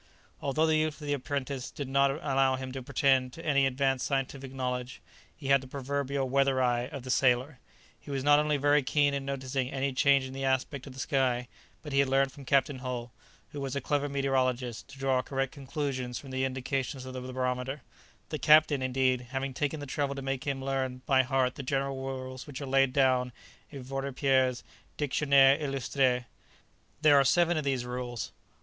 Although the youth of the apprentice did not allow him to pretend to any advanced scientific knowledge, he had the proverbial "weather eye" of the sailor. He was not only very keen in noticing any change in the aspect of the sky, but he had learnt from Captain Hull, who was a clever meteorologist, to draw correct conclusions from the indications of the barometer; the captain, indeed, having taken the trouble to make him learn by heart the general rules which are laid down in Vorepierre's Dictionnaire Illustré. There are seven of these rules: 1.